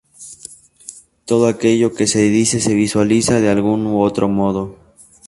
Todo aquello que se dice se visualiza de algún u otro modo.